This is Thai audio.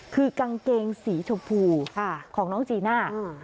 คือกางเกงสีชมพูของน้องจีน่า